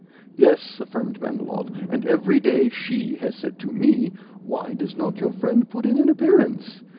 "Yes," affirmed Manilov; "and every day SHE has said to ME: 'Why does not your friend put in an appearance?